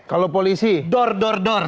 kalau polisi dor dor dor